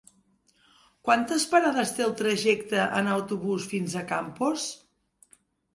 Quantes parades té el trajecte en autobús fins a Campos?